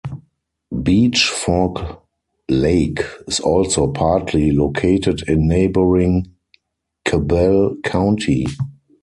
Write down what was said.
Beech Fork Lake is also partly located in neighboring Cabell County.